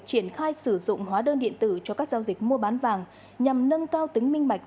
triển khai sử dụng hóa đơn điện tử cho các giao dịch mua bán vàng nhằm nâng cao tính minh bạch